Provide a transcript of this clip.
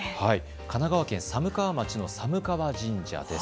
神奈川県寒川町の寒川神社です。